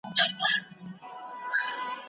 د کابل د مڼو بوی د باد پیام دی